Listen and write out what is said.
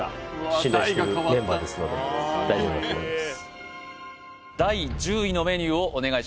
信頼しているメンバーですので大丈夫だと思います